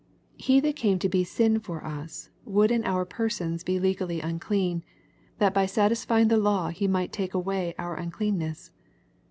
He that cazEc to be sin for us, would in our persons be legally unclean, that by satisfying the law he might take away our uncleanness.